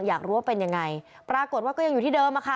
อยากรู้ว่าเป็นยังไงปรากฏว่าก็ยังอยู่ที่เดิมอะค่ะ